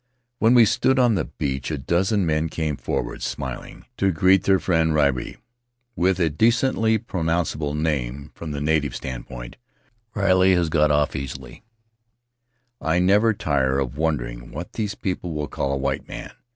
W T hen we stood on the beach a dozen men came for ward, smiling, to greet their friend Rairi. With a decently pronounceable name — from the native stand point — Riley has got off easily; I never tire of wonder ing wdiat these people will call a white man.